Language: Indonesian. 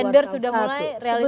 tender sudah mulai realisasi